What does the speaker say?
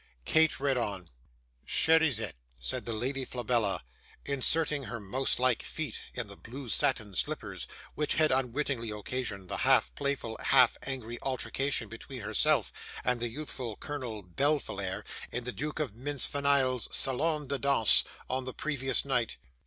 Kate read on. '"Cherizette," said the Lady Flabella, inserting her mouse like feet in the blue satin slippers, which had unwittingly occasioned the half playful half angry altercation between herself and the youthful Colonel Befillaire, in the Duke of Mincefenille's SALON DE DANSE on the previous night.